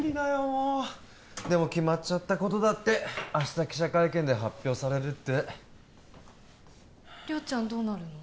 もうでも決まっちゃったことだって明日記者会見で発表されるって亮ちゃんどうなるの？